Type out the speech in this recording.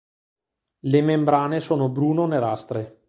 Le membrane sono bruno-nerastre.